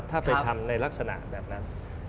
ถ้าไปทำในลักษณะแบบนั้น